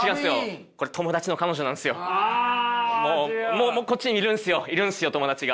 もうこっちにいるんですよいるんですよ友達が。